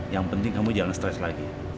yang penting kamu jangan stres lagi